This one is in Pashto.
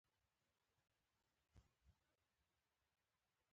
که متل د عربي مثل پښتو شوې بڼه وي نو پوښتنې شته